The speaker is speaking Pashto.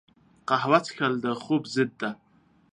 قهوه څښل د خوب ضد ده